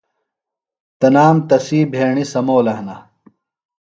تنام تسی بھیݨیۡ سمولہ ہِنہ۔